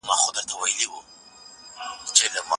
په پایله کې چې ځوانان فعال وي، ټولنه به وروسته پاتې نه شي.